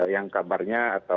yang kabarnya atau kasih tahu